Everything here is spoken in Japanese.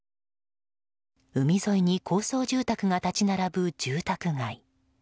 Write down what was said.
海沿いに高層住宅が立ち並ぶ住宅街。